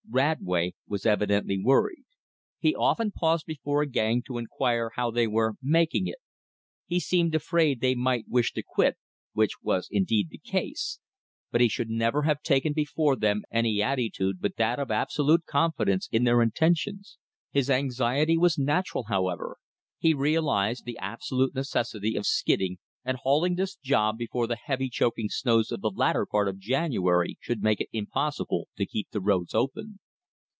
Radway was evidently worried. He often paused before a gang to inquire how they were "making it." He seemed afraid they might wish to quit, which was indeed the case, but he should never have taken before them any attitude but that of absolute confidence in their intentions. His anxiety was natural, however. He realized the absolute necessity of skidding and hauling this job before the heavy choking snows of the latter part of January should make it impossible to keep the roads open.